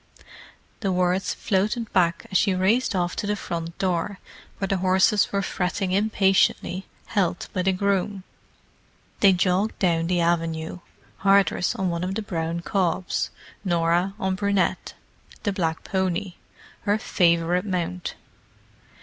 The words floated back as she raced off to the front door, where the horses were fretting impatiently, held by the groom. They jogged down the avenue—Hardress on one of the brown cobs, Norah on Brunette, the black pony—her favourite mount.